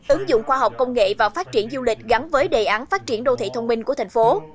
ứng dụng khoa học công nghệ và phát triển du lịch gắn với đề án phát triển đô thị thông minh của thành phố